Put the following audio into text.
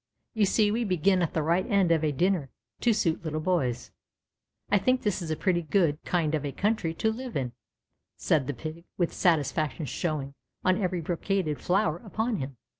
You see we begin at the right end of a dinner to suit little boys. I think this is a pretty good kind of a country to live in," said the Pig, with satisfaction showing on every brocaded flower upon him.